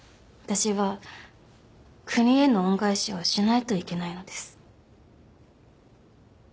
私は国への恩返しをしないといけないのです。